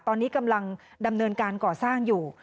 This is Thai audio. ตอนนี้กำลังดำเนินการก่อสร้างอยู่